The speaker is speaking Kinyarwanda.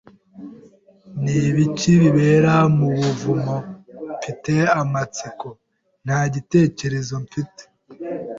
"Ni ibiki bibera mu buvumo? Mfite amatsiko." "Nta gitekerezo mfite."